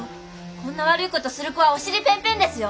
こんな悪い事する子はお尻ペンペンですよ！